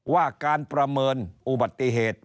ว่าการประเมินอุบัติเหตุ